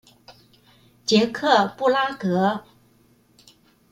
捷克布拉格